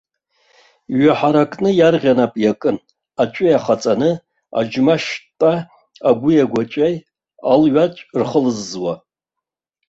Иҩаҳаракны иарӷьа нап иакын аҵәы иахаҵаны аџьмашьтәа агәи-агәаҵәеи, алҩаҵә рхылззуа.